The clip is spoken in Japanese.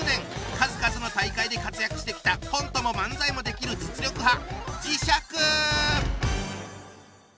数々の大会で活躍してきたコントも漫才もできる実力派磁石！